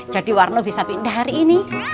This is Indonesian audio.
jadi warno bisa pindah hari ini